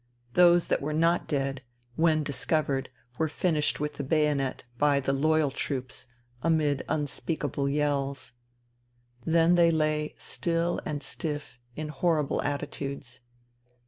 Those that were not dead, when discovered were finished with the bayonet by the " loyal " troops, amid unspeak able yells. Then they lay still and stiff in horrible attitudes.